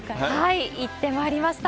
行ってまいりました。